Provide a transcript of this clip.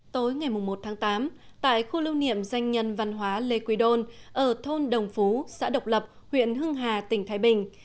tối ngày một tháng tám tại khu lưu niệm danh nhân văn hóa lê quý đôn ở thôn đồng phú xã độc lập huyện hưng hà tỉnh thái bình